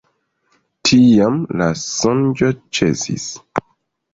Tiam la sonĝo ĉesis.